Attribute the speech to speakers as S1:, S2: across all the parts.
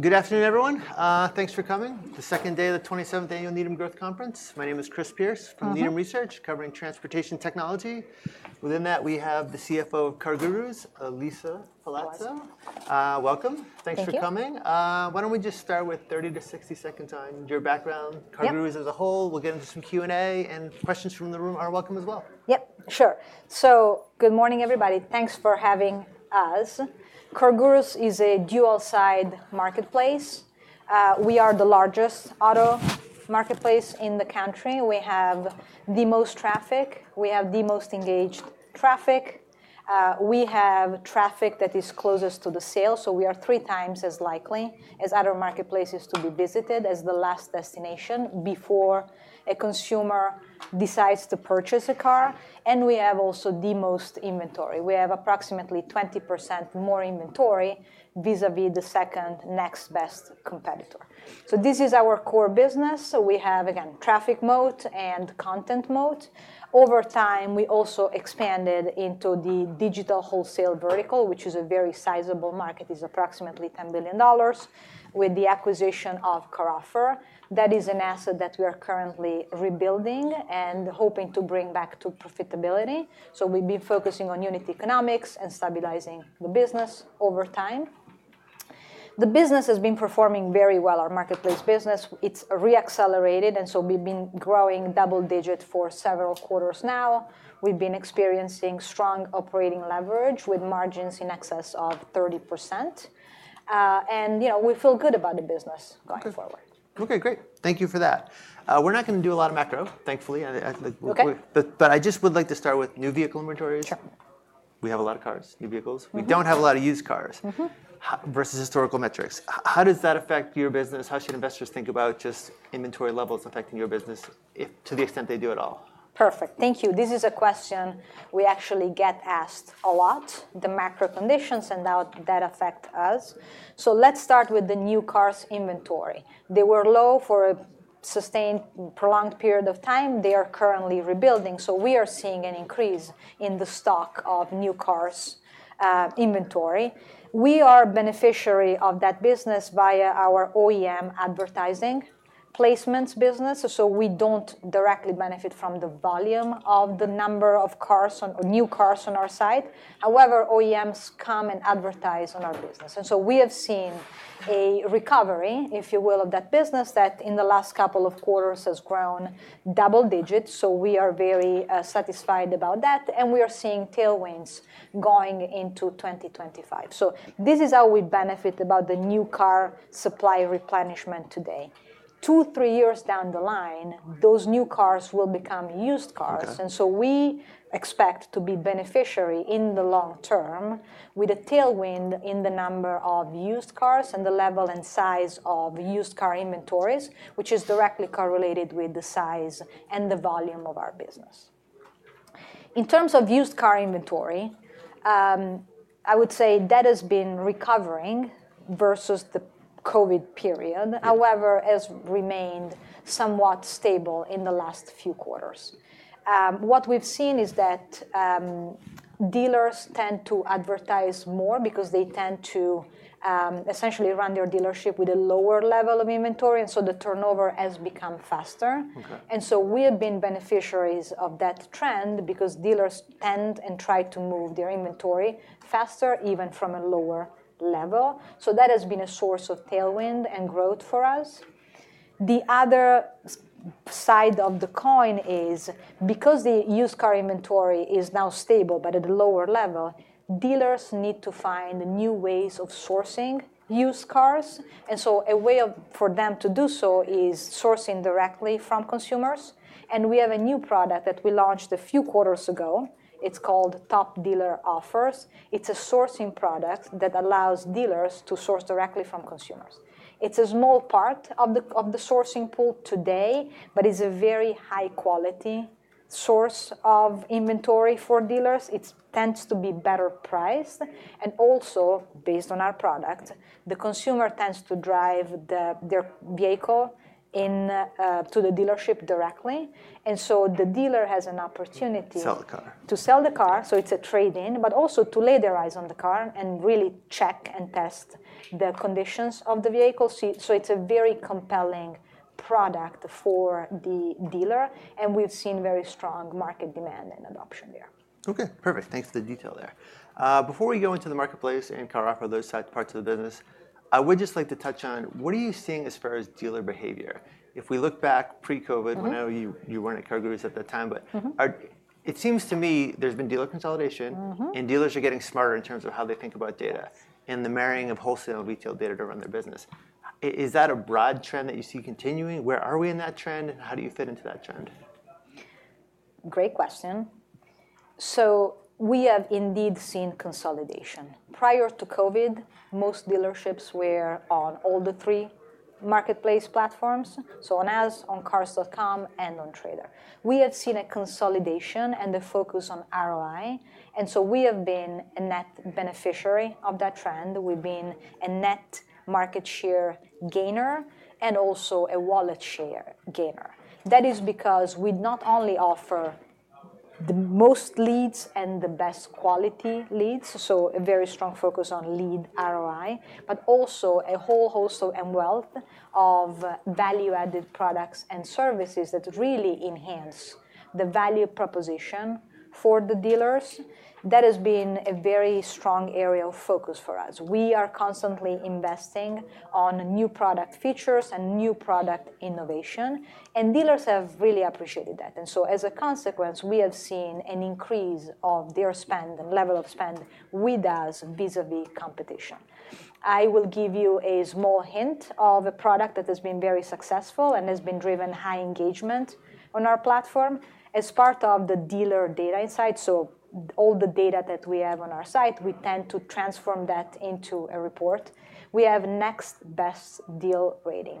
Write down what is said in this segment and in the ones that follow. S1: Good afternoon, everyone. Thanks for coming. The second day of the 27th Annual Needham Growth Conference. My name is Chris Pierce from Needham Research, covering Transportation Technology. Within that, we have the CFO of CarGurus, Elisa Palazzo. Welcome. Thanks for coming. Why don't we just start with 30 to 60 seconds on your background, CarGurus as a whole? We'll get into some Q&A, and questions from the room are welcome as well.
S2: Yep, sure. So, good morning, everybody. Thanks for having us. CarGurus is a dual-side marketplace. We are the largest auto marketplace in the country. We have the most traffic. We have the most engaged traffic. We have traffic that is closest to the sale, so we are 3x as likely as other marketplaces to be visited as the last destination before a consumer decides to purchase a car, and we have also the most inventory. We have approximately 20% more inventory vis-à-vis the second next best competitor, so this is our core business, so we have, again, traffic mode and content mode. Over time, we also expanded into the digital wholesale vertical, which is a very sizable market. It is approximately $10 billion, with the acquisition of CarOffer. That is an asset that we are currently rebuilding and hoping to bring back to profitability. So we've been focusing on unit economics and stabilizing the business over time. The business has been performing very well, our marketplace business. It's re-accelerated, and so we've been growing double-digit for several quarters now. We've been experiencing strong operating leverage with margins in excess of 30%. And we feel good about the business going forward.
S1: OK, great. Thank you for that. We're not going to do a lot of macro, thankfully. But I just would like to start with new vehicle inventories. We have a lot of cars, new vehicles. We don't have a lot of used cars versus historical metrics. How does that affect your business? How should investors think about just inventory levels affecting your business to the extent they do at all?
S2: Perfect. Thank you. This is a question we actually get asked a lot, the macro conditions and how that affect us. So let's start with the new cars inventory. They were low for a sustained prolonged period of time. They are currently rebuilding. So we are seeing an increase in the stock of new cars inventory. We are beneficiary of that business via our OEM advertising placements business. So we don't directly benefit from the volume of the number of cars or new cars on our side. However, OEMs come and advertise on our business. And so we have seen a recovery, if you will, of that business that in the last couple of quarters has grown double-digit. So we are very satisfied about that. And we are seeing tailwinds going into 2025. So this is how we benefit about the new car supply replenishment today. Two, three years down the line, those new cars will become used cars, and so we expect to be beneficiary in the long term with a tailwind in the number of used cars and the level and size of used car inventories, which is directly correlated with the size and the volume of our business. In terms of used car inventory, I would say that has been recovering versus the COVID period. However, it has remained somewhat stable in the last few quarters. What we've seen is that dealers tend to advertise more because they tend to essentially run their dealership with a lower level of inventory, and so the turnover has become faster, and so we have been beneficiaries of that trend because dealers tend and try to move their inventory faster, even from a lower level, so that has been a source of tailwind and growth for us. The other side of the coin is because the used car inventory is now stable, but at a lower level, dealers need to find new ways of sourcing used cars. And so a way for them to do so is sourcing directly from consumers. And we have a new product that we launched a few quarters ago. It's called Top Dealer Offers. It's a sourcing product that allows dealers to source directly from consumers. It's a small part of the sourcing pool today, but it's a very high-quality source of inventory for dealers. It tends to be better priced. And also, based on our product, the consumer tends to drive their vehicle to the dealership directly. And so the dealer has an opportunity.
S1: To sell the car.
S2: To sell the car, so it's a trade-in, but also to lay their eyes on the car and really check and test the conditions of the vehicle, so it's a very compelling product for the dealer, and we've seen very strong market demand and adoption there.
S1: OK, perfect. Thanks for the detail there. Before we go into the marketplace and CarOffer, those side parts of the business, I would just like to touch on what are you seeing as far as dealer behavior? If we look back pre-COVID, I know you weren't at CarGurus at that time, but it seems to me there's been dealer consolidation, and dealers are getting smarter in terms of how they think about data and the marrying of wholesale and retail data to run their business. Is that a broad trend that you see continuing? Where are we in that trend, and how do you fit into that trend?
S2: Great question. So we have indeed seen consolidation. Prior to COVID, most dealerships were on all the three marketplace platforms, so on Edmunds, on Cars.com, and on Trader. We have seen a consolidation and a focus on ROI. And so we have been a net beneficiary of that trend. We've been a net market share gainer and also a wallet share gainer. That is because we not only offer the most leads and the best quality leads, so a very strong focus on lead ROI, but also a whole host and wealth of value-added products and services that really enhance the value proposition for the dealers. That has been a very strong area of focus for us. We are constantly investing on new product features and new product innovation. And dealers have really appreciated that. And so as a consequence, we have seen an increase of their spend and level of spend with us vis-à-vis competition. I will give you a small hint of a product that has been very successful and has been driven high engagement on our platform. As part of the dealer data insight, so all the data that we have on our site, we tend to transform that into a report. We have Next Best Deal Rating.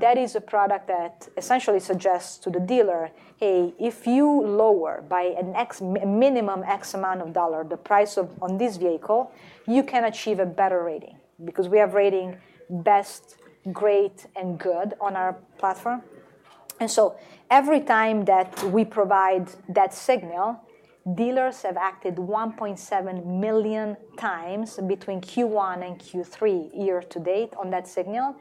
S2: That is a product that essentially suggests to the dealer, hey, if you lower by a minimum X amount of dollar the price on this vehicle, you can achieve a better rating because we have rating best, great, and good on our platform. And so every time that we provide that signal, dealers have acted 1.7 million times between Q1 and Q3 year to date on that signal.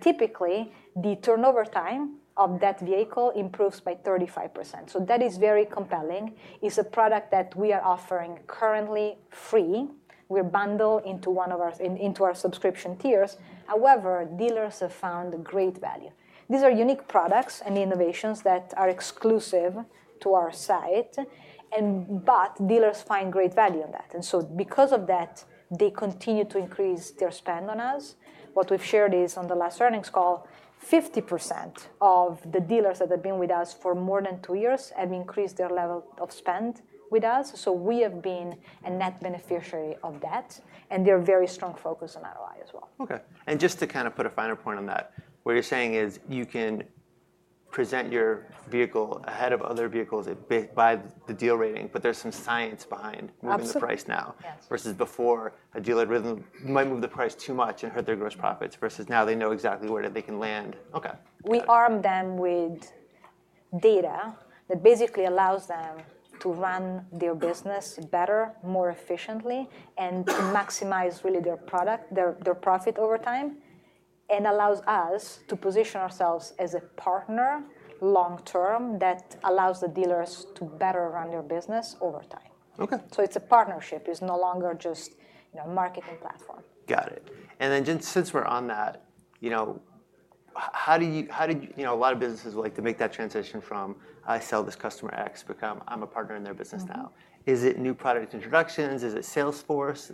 S2: Typically, the turnover time of that vehicle improves by 35%. That is very compelling. It's a product that we are offering currently free. We're bundled into one of our subscription tiers. However, dealers have found great value. These are unique products and innovations that are exclusive to our site, but dealers find great value in that. And so because of that, they continue to increase their spend on us. What we've shared is on the last earnings call, 50% of the dealers that have been with us for more than two years have increased their level of spend with us. We have been a net beneficiary of that. Their very strong focus on ROI as well.
S1: OK. And just to kind of put a finer point on that, what you're saying is you can present your vehicle ahead of other vehicles by the deal rating, but there's some science behind moving the price now versus before? A dealer might move the price too much and hurt their gross profits versus now they know exactly where they can land. OK.
S2: We arm them with data that basically allows them to run their business better, more efficiently, and maximize really their product, their profit over time, and allows us to position ourselves as a partner long term that allows the dealers to better run their business over time. So it's a partnership. It's no longer just a marketing platform.
S1: Got it. And then, since we're on that, how do a lot of businesses like to make that transition from "I sell this customer X" become "I'm a partner in their business now"? Is it new product introductions? Is it Salesforce?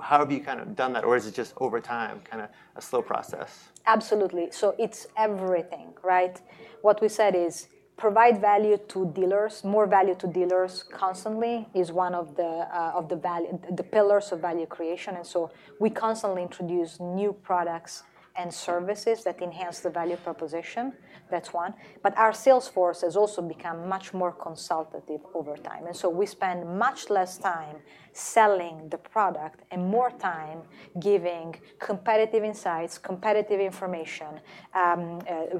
S1: How have you kind of done that? Or is it just over time, kind of a slow process?
S2: Absolutely. So it's everything, right? What we said is provide value to dealers. More value to dealers constantly is one of the pillars of value creation, and so we constantly introduce new products and services that enhance the value proposition. That's one, but our Salesforce has also become much more consultative over time, and so we spend much less time selling the product and more time giving competitive insights, competitive information,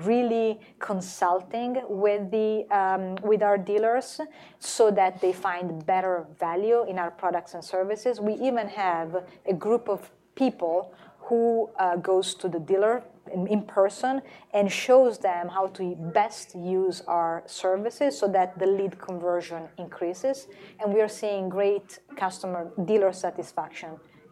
S2: really consulting with our dealers so that they find better value in our products and services. We even have a group of people who goes to the dealer in person and shows them how to best use our services so that the lead conversion increases, and we are seeing great customer dealer satisfaction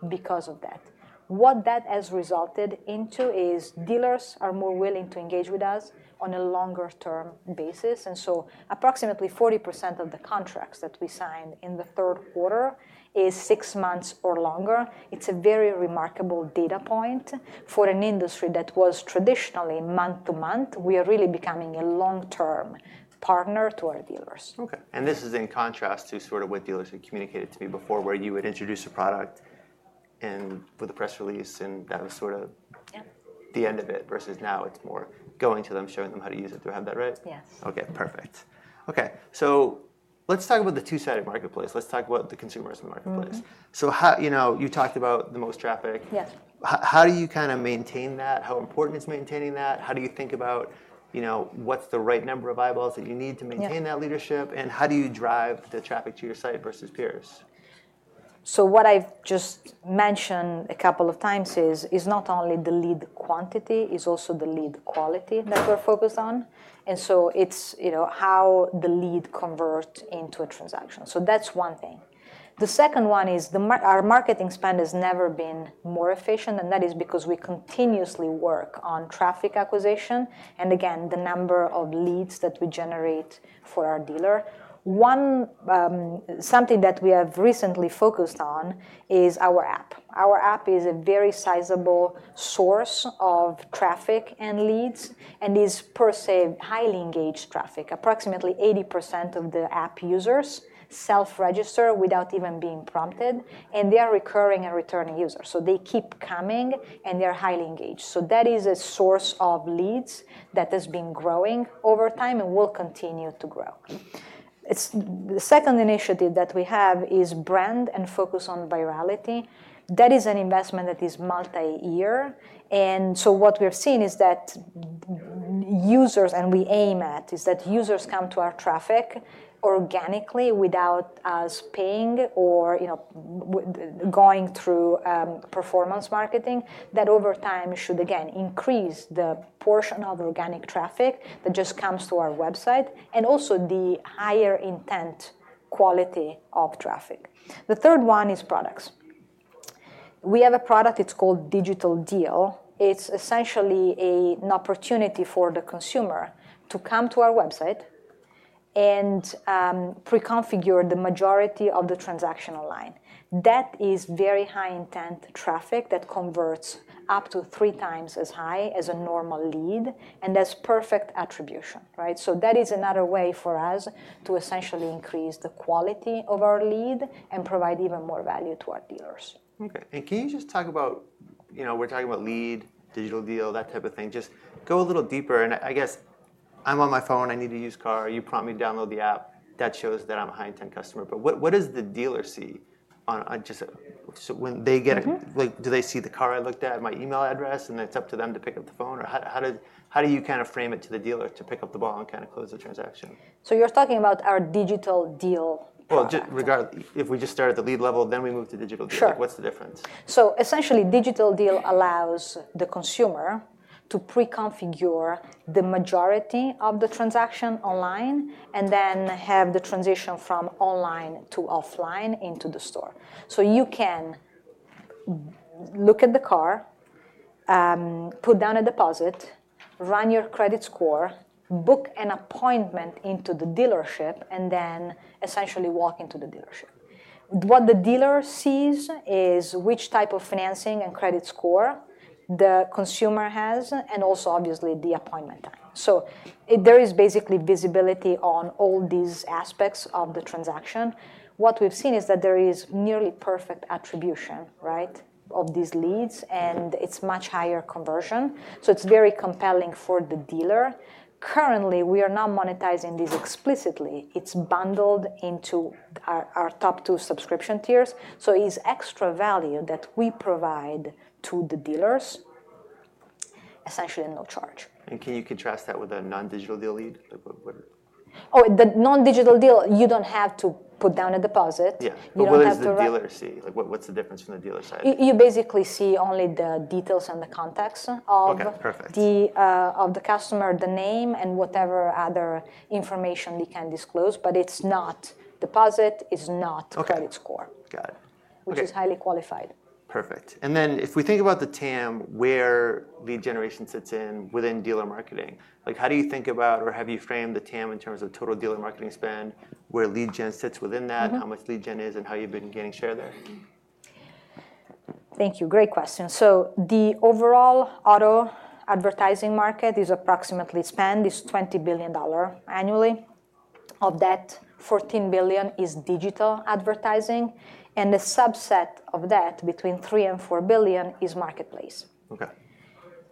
S2: because of that. What that has resulted into is dealers are more willing to engage with us on a longer-term basis. And so approximately 40% of the contracts that we signed in the third quarter is six months or longer. It's a very remarkable data point for an industry that was traditionally month to month. We are really becoming a long-term partner to our dealers.
S1: Okay, and this is in contrast to sort of what dealers had communicated to me before, where you would introduce a product with a press release, and that was sort of the end of it versus now it's more going to them, showing them how to use it. Do I have that right?
S2: Yes.
S1: OK, perfect. OK, so let's talk about the two-sided marketplace. Let's talk about the consumer marketplace. So you talked about the most traffic. How do you kind of maintain that? How important is maintaining that? How do you think about what's the right number of eyeballs that you need to maintain that leadership? And how do you drive the traffic to your site versus peers?
S2: So what I've just mentioned a couple of times is not only the lead quantity, it's also the lead quality that we're focused on. And so it's how the lead converts into a transaction. So that's one thing. The second one is our marketing spend has never been more efficient. And that is because we continuously work on traffic acquisition and, again, the number of leads that we generate for our dealer. Something that we have recently focused on is our app. Our app is a very sizable source of traffic and leads and is, per se, highly engaged traffic. Approximately 80% of the app users self-register without even being prompted. And they are recurring and returning users. So they keep coming, and they are highly engaged. So that is a source of leads that has been growing over time and will continue to grow. The second initiative that we have is brand and focus on virality. That is an investment that is multi-year, and so what we've seen is that users, and what we aim at, is that users come to our traffic organically without us paying or going through performance marketing. That over time should, again, increase the portion of organic traffic that just comes to our website and also the higher intent quality of traffic. The third one is products. We have a product. It's called Digital Deal. It's essentially an opportunity for the consumer to come to our website and pre-configure the majority of the transaction online. That is very high intent traffic that converts up to 3x as high as a normal lead and has perfect attribution, so that is another way for us to essentially increase the quality of our lead and provide even more value to our dealers. OK. And can you just talk about we're talking about lead, Digital Deal, that type of thing. Just go a little deeper. And I guess I'm on my phone. I need a used car. You prompt me to download the app. That shows that I'm a high intent customer. But what does the dealer see when they get it? Do they see the car I looked at, my email address? And then it's up to them to pick up the phone? Or how do you kind of frame it to the dealer to pick up the ball and kind of close the transaction? So you're talking about our Digital Deal product?
S1: Well, regardless, if we just start at the lead level, then we move to Digital Deal. What's the difference?
S2: So essentially, Digital Deal allows the consumer to pre-configure the majority of the transaction online and then have the transition from online to offline into the store. So you can look at the car, put down a deposit, run your credit score, book an appointment into the dealership, and then essentially walk into the dealership. What the dealer sees is which type of financing and credit score the consumer has and also, obviously, the appointment time. So there is basically visibility on all these aspects of the transaction. What we've seen is that there is nearly perfect attribution of these leads, and it's much higher conversion. So it's very compelling for the dealer. Currently, we are not monetizing this explicitly. It's bundled into our top two subscription tiers. So it's extra value that we provide to the dealers, essentially at no charge.
S1: Can you contrast that with a non-Digital Deal lead?
S2: Oh, the non-Digital Deal, you don't have to put down a deposit.
S1: Yeah. What does the dealer see? What's the difference from the dealer side?
S2: You basically see only the details and the context of the customer, the name, and whatever other information they can disclose. But it's not deposit. It's not credit score, which is highly qualified.
S1: Perfect. And then if we think about the TAM, where lead generation sits within dealer marketing, how do you think about or have you framed the TAM in terms of total dealer marketing spend, where lead gen sits within that, how much lead gen is, and how you've been gaining share there?
S2: Thank you. Great question. So the overall auto advertising market is approximately spend is $20 billion annually. Of that, $14 billion is digital advertising. And a subset of that, between $3 and $4 billion, is marketplace.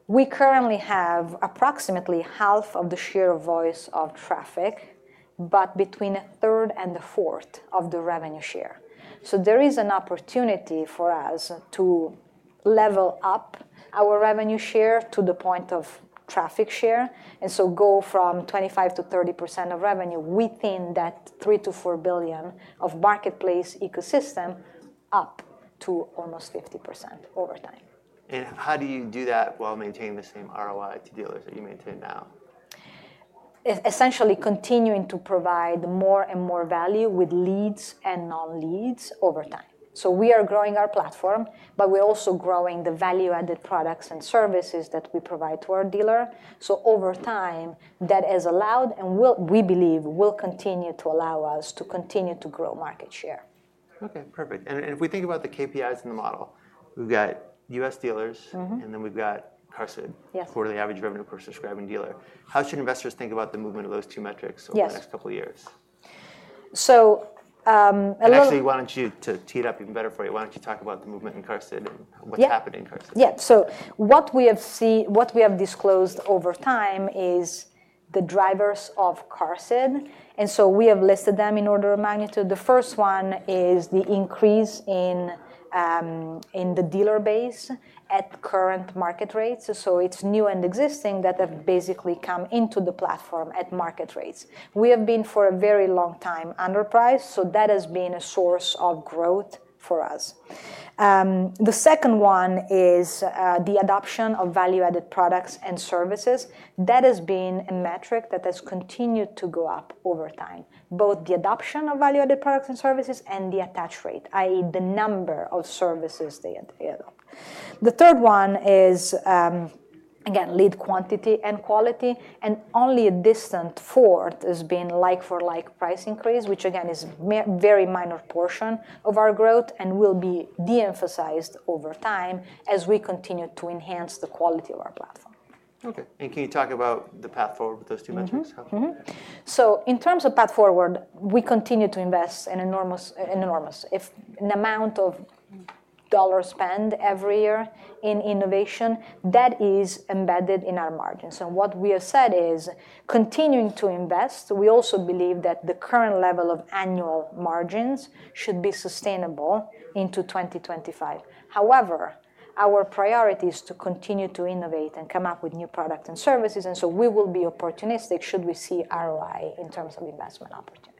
S2: We currently have approximately half of the share of voice of traffic, but between a third and a fourth of the revenue share. So there is an opportunity for us to level up our revenue share to the point of traffic share and so go from 25%-30% of revenue within that $3 billion-$4 billion of marketplace ecosystem up to almost 50% over time.
S1: How do you do that while maintaining the same ROI to dealers that you maintain now?
S2: Essentially continuing to provide more and more value with leads and non-leads over time. So we are growing our platform, but we're also growing the value-added products and services that we provide to our dealers. So over time, that has allowed and we believe will continue to allow us to continue to grow market share.
S1: OK, perfect. And if we think about the KPIs in the model, we've got U.S. dealers, and then we've got QARSD for the average revenue per subscribing dealer. How should investors think about the movement of those two metrics over the next couple of years? Actually, why don't you tee it up even better for you? Why don't you talk about the movement in QARSD and what's happened in QARSD?
S2: Yeah. What we have disclosed over time is the drivers of QARSD. We have listed them in order of magnitude. The first one is the increase in the dealer base at current market rates. It's new and existing that have basically come into the platform at market rates. We have been for a very long time underpriced, so that has been a source of growth for us. The second one is the adoption of value-added products and services. That has been a metric that has continued to go up over time, both the adoption of value-added products and services and the attach rate, i.e., the number of services they adopt. The third one is, again, lead quantity and quality. Only a distant fourth has been like-for-like price increase, which, again, is a very minor portion of our growth and will be de-emphasized over time as we continue to enhance the quality of our platform.
S1: OK. And can you talk about the path forward with those two metrics?
S2: So in terms of path forward, we continue to invest an enormous amount of dollar spend every year in innovation. That is embedded in our margins. And what we have said is continuing to invest. We also believe that the current level of annual margins should be sustainable into 2025. However, our priority is to continue to innovate and come up with new products and services. And so we will be opportunistic should we see ROI in terms of investment opportunities.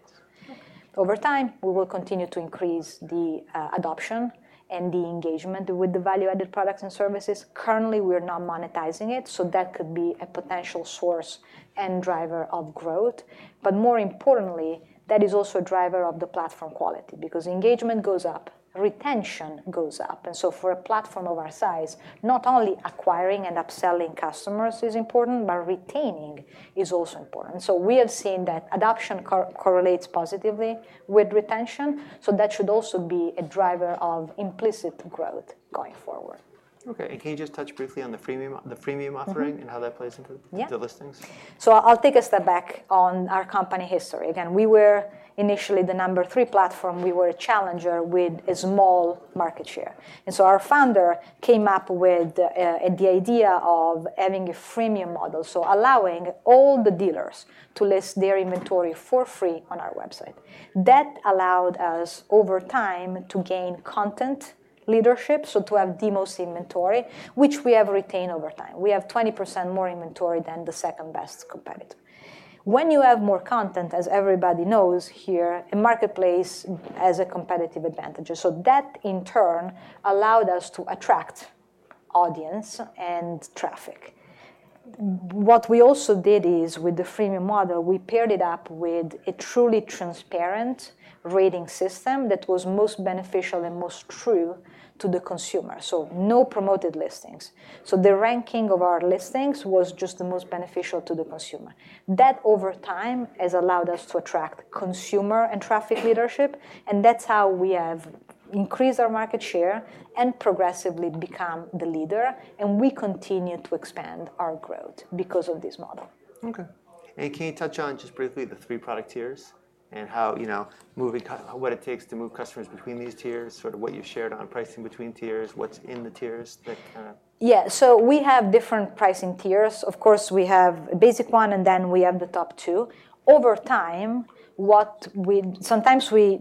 S2: Over time, we will continue to increase the adoption and the engagement with the value-added products and services. Currently, we are not monetizing it, so that could be a potential source and driver of growth. But more importantly, that is also a driver of the platform quality because engagement goes up, retention goes up. And so for a platform of our size, not only acquiring and upselling customers is important, but retaining is also important. So we have seen that adoption correlates positively with retention. So that should also be a driver of implicit growth going forward.
S1: Okay, and can you just touch briefly on the freemium offering and how that plays into the listings?
S2: So I'll take a step back on our company history. Again, we were initially the number three platform. We were a challenger with a small market share. And so our founder came up with the idea of having a freemium model, so allowing all the dealers to list their inventory for free on our website. That allowed us over time to gain content leadership, so to have the most inventory, which we have retained over time. We have 20% more inventory than the second-best competitor. When you have more content, as everybody knows here, a marketplace has a competitive advantage. So that, in turn, allowed us to attract audience and traffic. What we also did is, with the freemium model, we paired it up with a truly transparent rating system that was most beneficial and most true to the consumer, so no promoted listings. So the ranking of our listings was just the most beneficial to the consumer. That, over time, has allowed us to attract consumer and traffic leadership. And that's how we have increased our market share and progressively become the leader. And we continue to expand our growth because of this model.
S1: OK. And can you touch on just briefly the three product tiers and what it takes to move customers between these tiers, sort of what you've shared on pricing between tiers, what's in the tiers that kind of?
S2: Yeah. So we have different pricing tiers. Of course, we have a basic one, and then we have the top two. Over time, sometimes we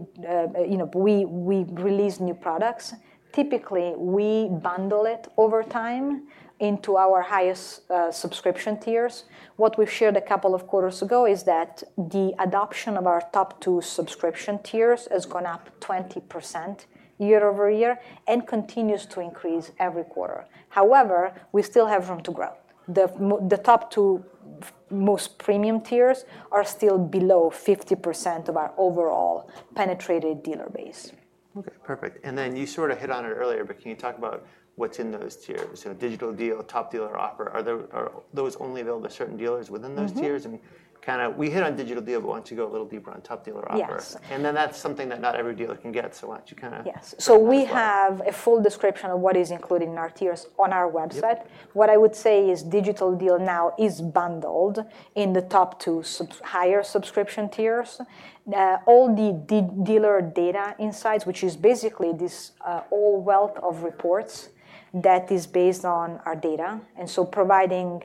S2: release new products. Typically, we bundle it over time into our highest subscription tiers. What we've shared a couple of quarters ago is that the adoption of our top two subscription tiers has gone up 20% year over year and continues to increase every quarter. However, we still have room to grow. The top two most premium tiers are still below 50% of our overall penetrated dealer base.
S1: Okay, perfect. And then you sort of hit on it earlier, but can you talk about what's in those tiers? So Digital Deal, Top Dealer Offer, are those only available to certain dealers within those tiers? And kind of we hit on Digital Deal, but want to go a little deeper on Top Dealer Offer. And then that's something that not every dealer can get. So why don't you kind of?
S2: Yes. So we have a full description of what is included in our tiers on our website. What I would say is Digital Deal now is bundled in the top two higher subscription tiers. All the dealer data insights, which is basically this all wealth of reports that is based on our data, and so providing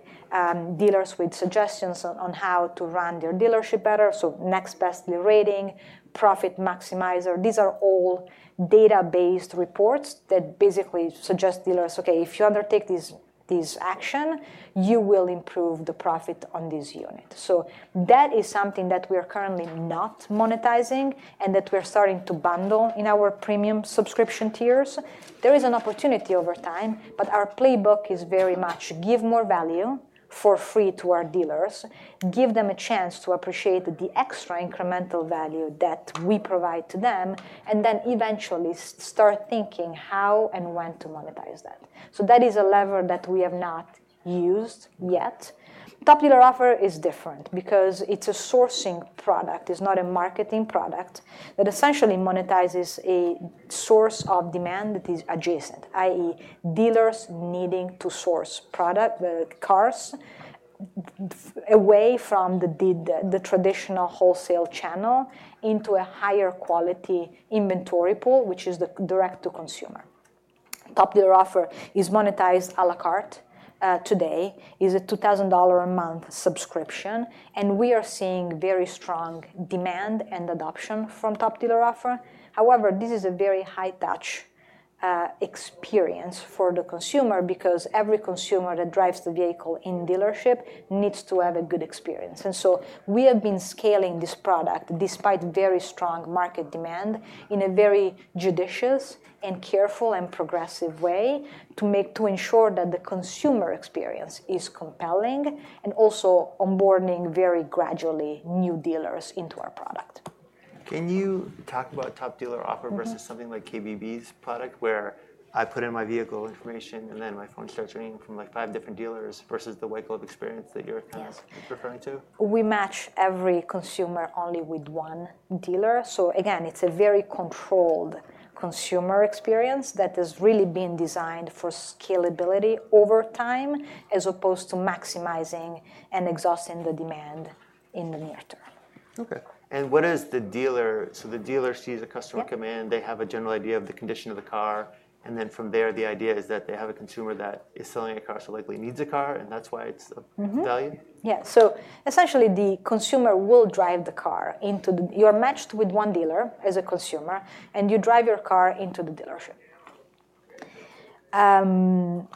S2: dealers with suggestions on how to run their dealership better, so Next Best Deal Rating, Profit Maximizer. These are all data-based reports that basically suggest dealers, OK, if you undertake this action, you will improve the profit on this unit. So that is something that we are currently not monetizing and that we are starting to bundle in our premium subscription tiers. There is an opportunity over time, but our playbook is very much give more value for free to our dealers, give them a chance to appreciate the extra incremental value that we provide to them, and then eventually start thinking how and when to monetize that. That is a lever that we have not used yet. Top Dealer Offer is different because it is a sourcing product. It is not a marketing product that essentially monetizes a source of demand that is adjacent, i.e., dealers needing to source cars away from the traditional wholesale channel into a higher quality inventory pool, which is the direct-to-consumer. Top Dealer Offer is monetized a la carte today. It is a $2,000 a month subscription. We are seeing very strong demand and adoption from Top Dealer Offer. However, this is a very high-touch experience for the consumer because every consumer that drives the vehicle in dealership needs to have a good experience, and so we have been scaling this product despite very strong market demand in a very judicious and careful and progressive way to ensure that the consumer experience is compelling and also onboarding very gradually new dealers into our product.
S1: Can you talk about Top Dealer Offer versus something like KBB's product where I put in my vehicle information, and then my phone starts ringing from like five different dealers versus the white glove experience that you're referring to?
S2: We match every consumer only with one dealer. So again, it's a very controlled consumer experience that has really been designed for scalability over time as opposed to maximizing and exhausting the demand in the near term.
S1: OK. And what is the dealer? So the dealer sees a customer come in. They have a general idea of the condition of the car. And then from there, the idea is that they have a consumer that is selling a car, so likely needs a car, and that's why it's of value?
S2: Yeah. So essentially, the consumer will drive the car into the dealership. You are matched with one dealer as a consumer, and you drive your car into the dealership.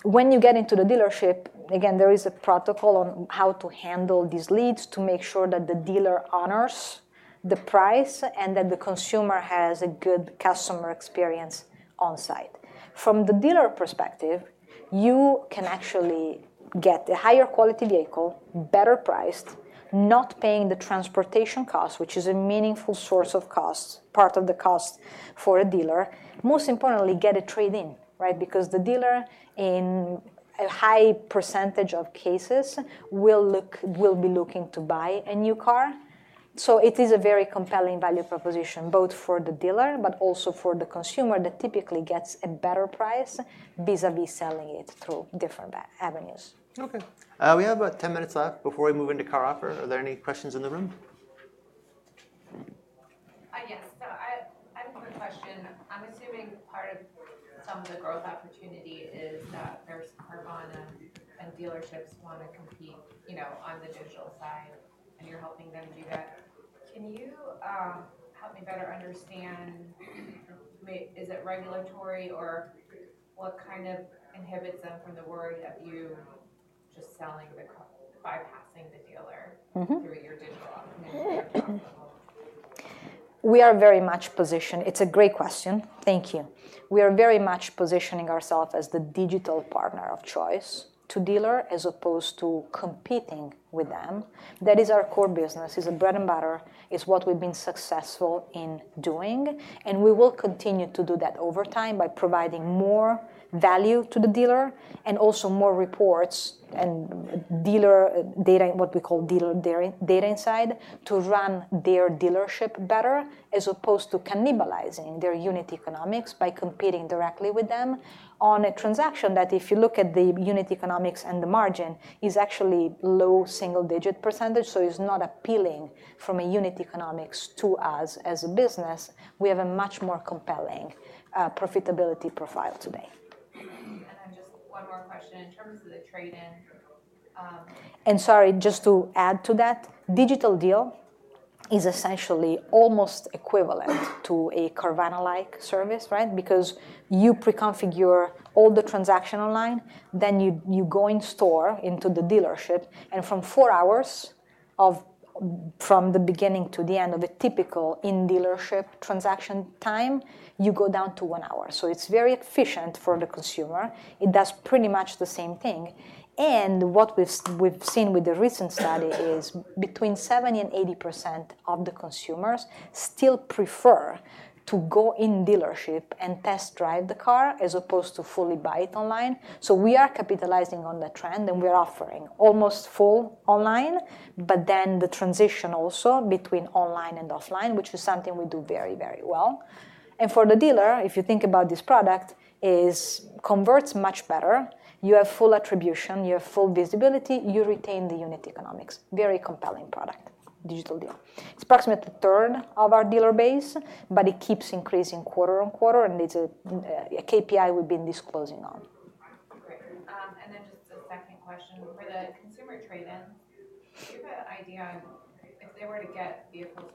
S2: When you get into the dealership, again, there is a protocol on how to handle these leads to make sure that the dealer honors the price and that the consumer has a good customer experience on-site. From the dealer perspective, you can actually get a higher quality vehicle, better-priced, not paying the transportation cost, which is a meaningful source of cost, part of the cost for a dealer. Most importantly, get a trade-in, right? Because the dealer, in a high percentage of cases, will be looking to buy a new car. So it is a very compelling value proposition both for the dealer but also for the consumer that typically gets a better price vis-à-vis selling it through different avenues.
S1: OK. We have about 10 minutes left before we move into CarOffer. Are there any questions in the room? Yes. So I have a quick question. I'm assuming part of some of the growth opportunity is that there's Carvana, and dealerships want to compete on the digital side, and you're helping them do that. Can you help me better understand, is it regulatory or what kind of inhibits them from the worry of you just selling, bypassing the dealer through your digital opportunity?
S2: We are very much positioned. It's a great question. Thank you. We are very much positioning ourselves as the digital partner of choice to dealer as opposed to competing with them. That is our core business. It's a bread and butter. It's what we've been successful in doing. And we will continue to do that over time by providing more value to the dealer and also more reports and dealer data, what we call dealer data inside to run their dealership better as opposed to cannibalizing their unit economics by competing directly with them on a transaction that, if you look at the unit economics and the margin, is actually low single-digit %. So it's not appealing from a unit economics to us as a business. We have a much more compelling profitability profile today. And then just one more question. In terms of the trade-in. Sorry, just to add to that, Digital Deal is essentially almost equivalent to a Carvana-like service, right? Because you pre-configure all the transactional line. Then you go in store into the dealership from four hours from the beginning to the end of a typical in-dealership transaction time, you go down to one hour. It's very efficient for the consumer. It does pretty much the same thing. What we've seen with the recent study is between 70% and 80% of the consumers still prefer to go in dealership and test drive the car as opposed to fully buy it online. We are capitalizing on the trend, and we are offering almost full online, but then the transition also between online and offline, which is something we do very, very well. For the dealer, if you think about this product, it converts much better. You have full attribution. You have full visibility. You retain the unit economics. Very compelling product, Digital Deal. It's approximately a third of our dealer base, but it keeps increasing quarter on quarter, and it's a KPI we've been disclosing on. Great. And then just a second question. For the consumer trade-ins, do you have an idea if they were to get vehicles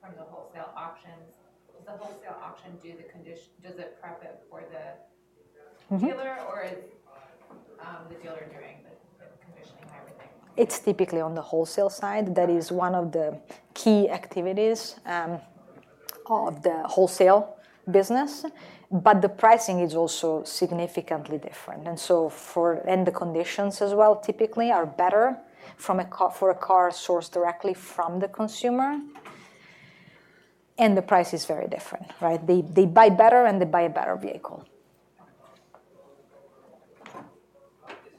S2: from the wholesale auctions, does the wholesale auction do the condition? Does it prep it for the dealer, or is the dealer doing the conditioning and everything? It's typically on the wholesale side. That is one of the key activities of the wholesale business. But the pricing is also significantly different. And so the conditions as well typically are better for a car sourced directly from the consumer. And the price is very different, right? They buy better, and they buy a better vehicle. Is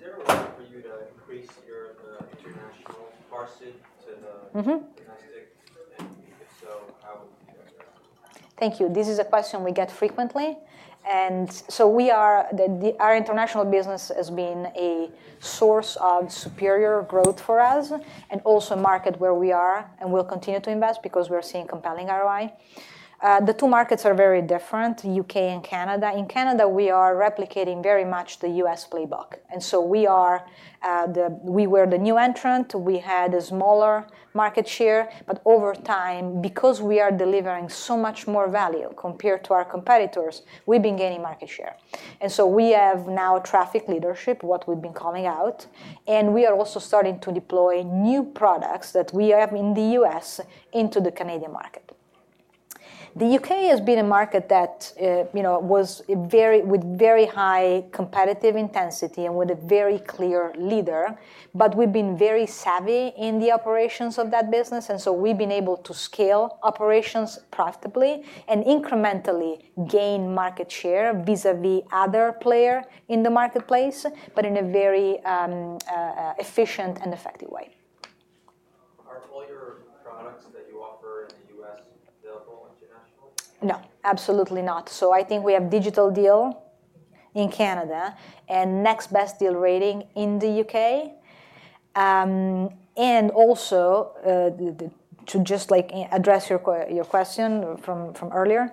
S2: there a way for you to increase your international market share to the domestic? And if so, how would you do that? Thank you. This is a question we get frequently. And so our international business has been a source of superior growth for us and also a market where we are and will continue to invest because we are seeing compelling ROI. The two markets are very different, U.K. and Canada. In Canada, we are replicating very much the U.S. playbook. And so we were the new entrant. We had a smaller market share. But over time, because we are delivering so much more value compared to our competitors, we've been gaining market share. And so we have now a traffic leadership, what we've been calling out. And we are also starting to deploy new products that we have in the U.S. into the Canadian market. The U.K. has been a market that was with very high competitive intensity and with a very clear leader. But we've been very savvy in the operations of that business. And so we've been able to scale operations profitably and incrementally gain market share vis-à-vis other players in the marketplace, but in a very efficient and effective way. Are all your products that you offer in the U.S. available internationally? No. Absolutely not. So I think we have Digital Deal in Canada and Next Best Deal Rating in the U.K.. And also, to just address your question from earlier,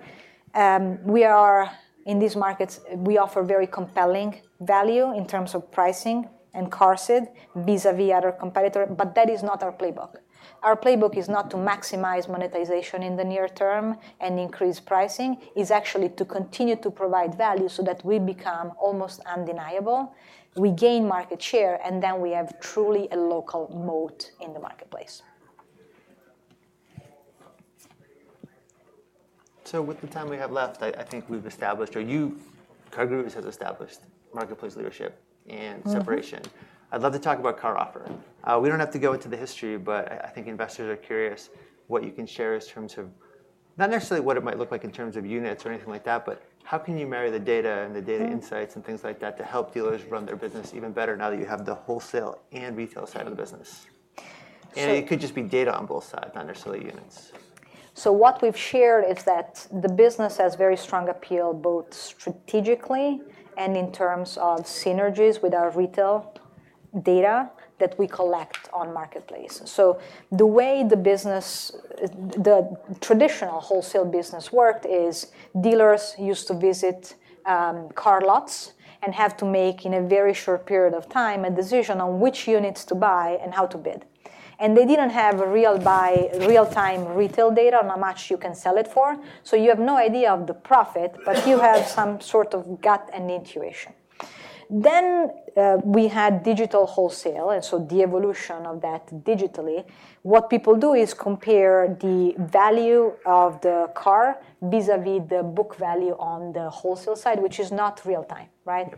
S2: we are in these markets, we offer very compelling value in terms of pricing and QARSD vis-à-vis other competitors. But that is not our playbook. Our playbook is not to maximize monetization in the near term and increase pricing. It's actually to continue to provide value so that we become almost undeniable. We gain market share, and then we have truly a local moat in the marketplace.
S1: So with the time we have left, I think we've established or you, CarGurus, has established marketplace leadership and separation. I'd love to talk about CarOffer. We don't have to go into the history, but I think investors are curious what you can share in terms of not necessarily what it might look like in terms of units or anything like that, but how can you marry the data and the data insights and things like that to help dealers run their business even better now that you have the wholesale and retail side of the business. And it could just be data on both sides, not necessarily units.
S2: So what we've shared is that the business has very strong appeal both strategically and in terms of synergies with our retail data that we collect on marketplace. So the way the business, the traditional wholesale business worked is dealers used to visit car lots and have to make in a very short period of time a decision on which units to buy and how to bid. And they didn't have real-time retail data on how much you can sell it for. So you have no idea of the profit, but you have some sort of gut and intuition. Then we had digital wholesale. And so the evolution of that digitally, what people do is compare the value of the car vis-à-vis the book value on the wholesale side, which is not real time, right?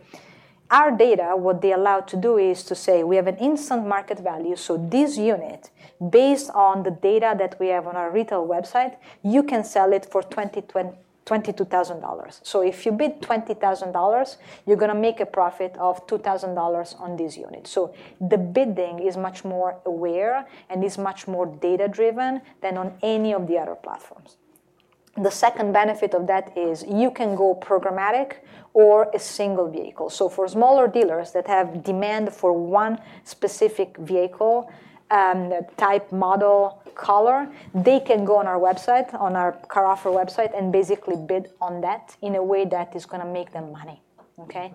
S2: Our data, what they allow to do is to say we have an instant market value. So this unit, based on the data that we have on our retail website, you can sell it for $22,000. So if you bid $20,000, you're going to make a profit of $2,000 on this unit. So the bidding is much more aware and is much more data-driven than on any of the other platforms. The second benefit of that is you can go programmatic or a single vehicle. So for smaller dealers that have demand for one specific vehicle, type, model, color, they can go on our website, on our CarOffer website, and basically bid on that in a way that is going to make them money, OK?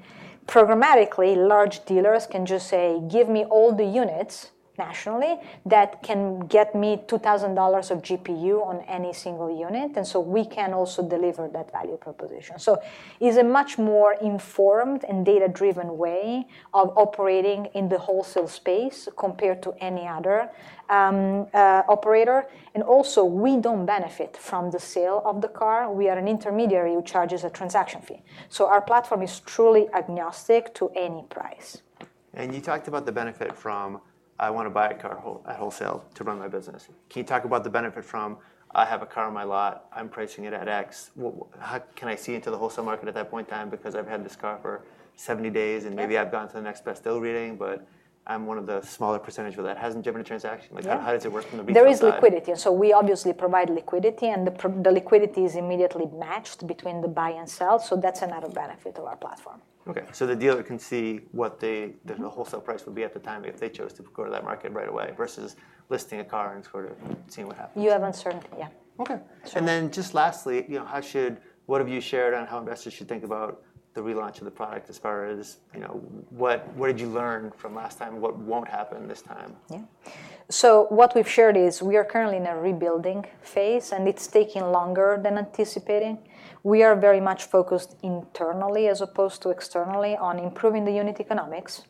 S2: Programmatically, large dealers can just say, give me all the units nationally that can get me $2,000 of GPU on any single unit. And so we can also deliver that value proposition. So it's a much more informed and data-driven way of operating in the wholesale space compared to any other operator. And also, we don't benefit from the sale of the car. We are an intermediary who charges a transaction fee. So our platform is truly agnostic to any price.
S1: And you talked about the benefit from, I want to buy a car at wholesale to run my business. Can you talk about the benefit from, I have a car on my lot. I'm pricing it at X. How can I see into the wholesale market at that point in time because I've had this car for 70 days, and maybe I've gone to the next best deal rating, but I'm one of the smaller percentage where that hasn't driven a transaction? How does it work from the beginning?
S2: There is liquidity. And so we obviously provide liquidity. And the liquidity is immediately matched between the buy and sell. So that's another benefit of our platform.
S1: OK. So the dealer can see what the wholesale price would be at the time if they chose to go to that market right away versus listing a car and sort of seeing what happens.
S2: You have uncertainty, yeah.
S1: OK, and then just lastly, what have you shared on how investors should think about the relaunch of the product as far as what did you learn from last time? What won't happen this time?
S2: Yeah. So what we've shared is we are currently in a rebuilding phase, and it's taking longer than anticipating. We are very much focused internally as opposed to externally on improving the unit economics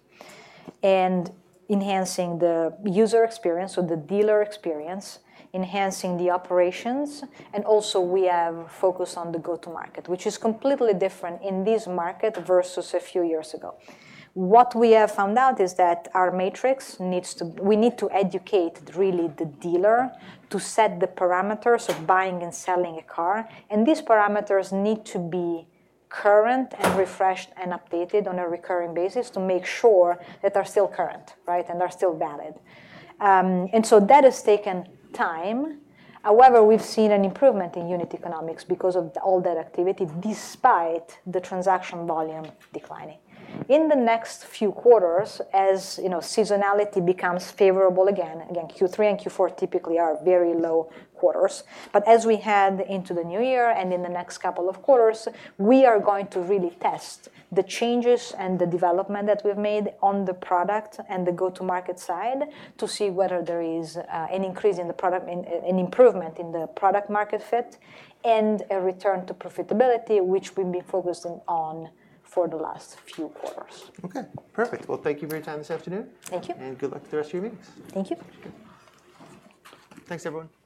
S2: and enhancing the user experience or the dealer experience, enhancing the operations. And also, we have focus on the go-to-market, which is completely different in this market versus a few years ago. What we have found out is that our metrics, we need to educate really the dealer to set the parameters of buying and selling a car. And these parameters need to be current and refreshed and updated on a recurring basis to make sure that they are still current, right, and they are still valid. And so that has taken time. However, we've seen an improvement in unit economics because of all that activity despite the transaction volume declining. In the next few quarters, as seasonality becomes favorable again, Q3 and Q4 typically are very low quarters. But as we head into the new year and in the next couple of quarters, we are going to really test the changes and the development that we've made on the product and the go-to-market side to see whether there is an increase in the product and improvement in the product market fit and a return to profitability, which we've been focusing on for the last few quarters.
S1: OK. Perfect. Well, thank you for your time this afternoon.
S2: Thank you.
S1: Good luck to the rest of your meetings.
S2: Thank you.
S1: Thanks, everyone.